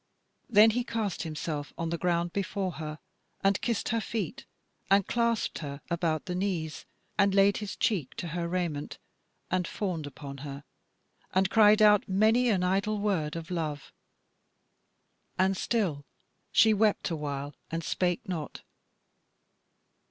Then he cast himself on the ground before her, and kissed her feet, and clasped her about the knees, and laid his cheek to her raiment, and fawned upon her, and cried out many an idle word of love, and still she wept a while and spake not.